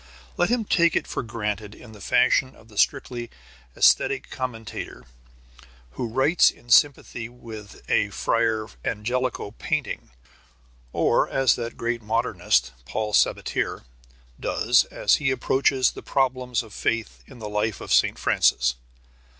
Let him take it for granted in the fashion of the strictly æsthetic commentator who writes in sympathy with a Fra Angelico painting, or as that great modernist, Paul Sabatier, does as he approaches the problems of faith in the life of St. Francis.